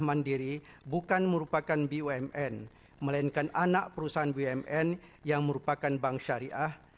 mandiri bukan merupakan bumn melainkan anak perusahaan bumn yang merupakan bank syariah